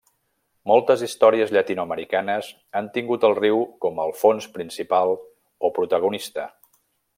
Moltes històries llatinoamericanes han tingut el riu com el fons principal o protagonista.